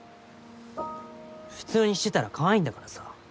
普通にしてたらかわいいんだからさ。